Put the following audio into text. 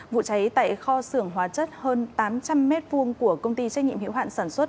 vụ cháy tại kho xưởng hóa chất hơn tám trăm linh m hai của công ty trách nhiệm hiệu hạn sản xuất